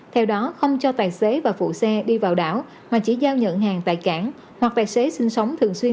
theo đó không cho tài xế và phụ xe đi vào đảo mà chỉ giao nhận hàng tại cảng hoặc tài xế sinh sống thường xuyên